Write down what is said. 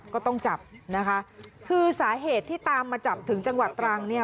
ก็ต้องจับนะคะคือสาเหตุที่ตามมาจับถึงจังหวัดตรังเนี่ย